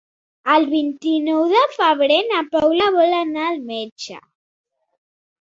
El vint-i-nou de febrer na Paula vol anar al metge.